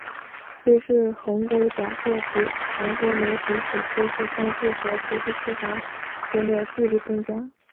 知识鸿沟假设指传播媒体使知识丰富和知识缺乏间的距离增加。